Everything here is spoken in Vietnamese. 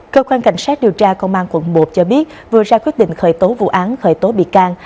cơ quan cảnh sát điều tra công an quận một cho biết vừa ra quyết định khởi tố vụ án khởi tố bị can